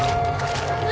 何？